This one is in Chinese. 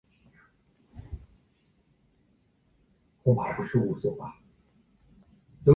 浅圆盘螺为内齿螺科圆盘螺属的动物。